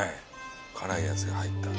辛いやつが入った。